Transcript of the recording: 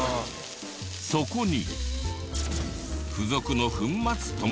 そこに。